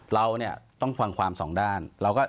เราต้องฟังความสองด้าน